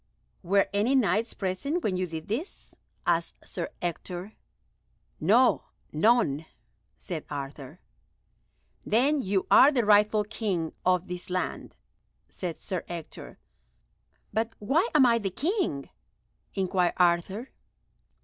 "Were any Knights present when you did this?" asked Sir Ector. "No, none," said Arthur. "Then you are the rightful King of this land," said Sir Ector. "But why am I the King?" inquired Arthur.